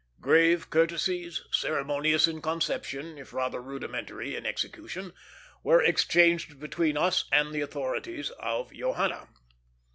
Grave courtesies, ceremonious in conception, if rather rudimentary in execution, were exchanged between us and the authorities of Johanna.